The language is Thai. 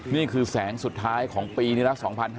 นี่คือแสงสุดท้ายของปีนี้ละ๒๕๕๙